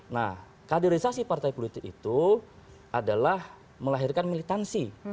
nah kaderisasi partai politik itu adalah melahirkan militansi